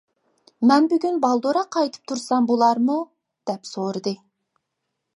— مەن بۈگۈن بالدۇرراق قايتىپ تۇرسام بولارمۇ؟ — دەپ سورىدى.